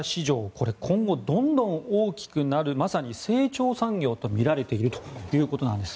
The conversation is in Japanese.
これ今後、どんどん大きくなるまさに成長産業とみられているということなんです。